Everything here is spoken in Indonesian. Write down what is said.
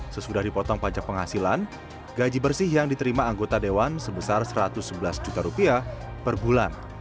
sesudah dipotong pajak penghasilan gaji bersih yang diterima anggota dewan sebesar satu ratus sebelas juta rupiah per bulan